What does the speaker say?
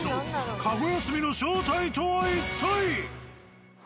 「駕籠休み」の正体とは一体？